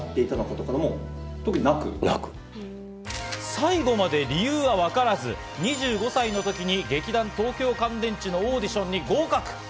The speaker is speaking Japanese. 最後まで理由はわからず、２５歳の時に劇団東京乾電池のオーディションに合格。